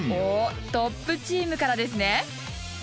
おっトップチームからですね。